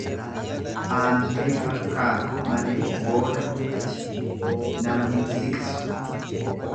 Aantee fakkaata malee booda ofitti nama hin siqsu.